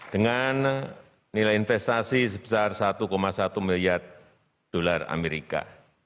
dengan nilai investasi sebesar satu satu miliar dolar amerika